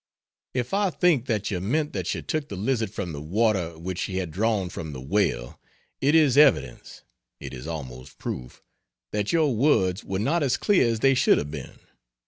If I think that you meant that she took the lizard from the water which she had drawn from the well, it is evidence it is almost proof that your words were not as clear as they should have been.